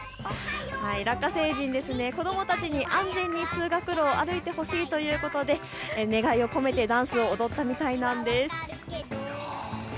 ラッカ星人、子どもたちに安全に通学路を歩いてほしいということで願いを込めてダンスを踊ったみたいなんです。